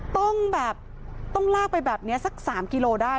ต้องแบบต้องลากไปแบบนี้สัก๓กิโลได้